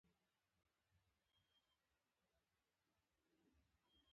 آیا دا ډیره ښکلې او ابي نه ده؟